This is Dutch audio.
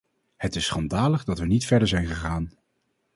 Het is schandalig dat we niet verder zijn gegaan.